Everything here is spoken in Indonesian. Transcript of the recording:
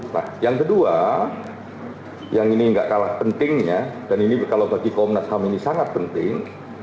nah yang kedua yang ini nggak kalah pentingnya dan ini kalau bagi komnas ham ini sangat penting